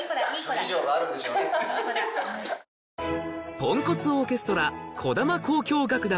ポンコツオーケストラ児玉交響楽団